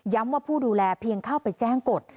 ว่าผู้ดูแลเพียงเข้าไปแจ้งกฎ